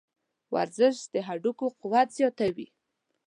ورزش د هډوکو قوت زیاتوي.